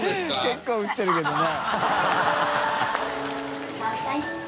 結構降ってるけどね。